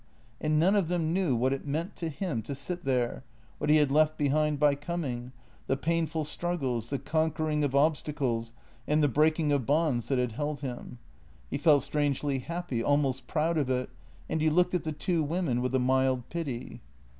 And none of them knew what it meant to him to sit there, what he had left behind by coming, the painful struggles, the conquering of obstacles and the break ing of bonds that had held him. He felt strangely happy, al most proud of it, and he looked at the two women with a mild pity.